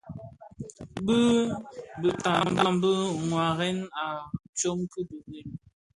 Bi bitamtam dhi waarèna a tsog ki birim.